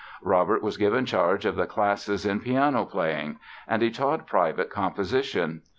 Robert was given charge of the classes in piano playing; and he taught private composition.